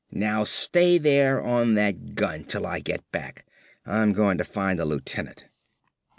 "Now stay there on that gun 'til I get back. I'm goin' ta find the lieutenant."